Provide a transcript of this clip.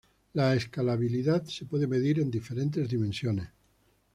La escalabilidad se puede medir en diferentes dimensiones.